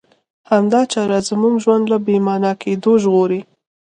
همدا چاره زموږ ژوند له بې مانا کېدو ژغوري.